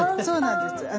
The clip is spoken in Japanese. そうなんです。